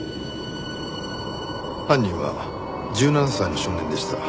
犯人は１７歳の少年でした。